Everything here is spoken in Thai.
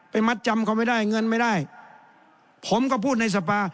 มัดจำเขาไม่ได้เงินไม่ได้ผมก็พูดในสภา